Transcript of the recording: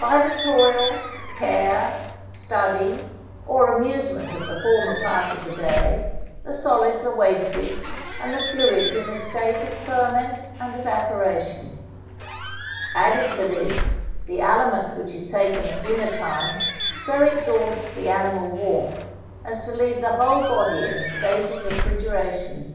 By the toil, care, study, or amusement of the former part of the day, the solids are wasted, and the fluids in a state of ferment and evaporation. Added to this, the aliment which is taken at dinner time so exhausts the animal warmth, as to leave the whole body in a state of refrigeration.